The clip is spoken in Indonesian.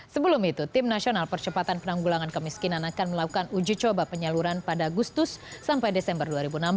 sebelum itu tim nasional percepatan penanggulangan kemiskinan akan melakukan uji coba penyaluran pada agustus sampai desember dua ribu enam belas